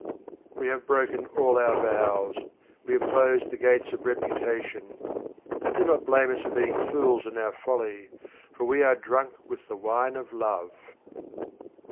We have broken all our vows, we have closed the gates of reputation. Do not blame us for being fools in our folly, for we are drunk with the wine of love.